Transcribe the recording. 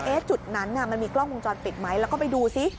จุดนั้นมันมีกล้องวงจรปิดไหมแล้วก็ไปดูซิ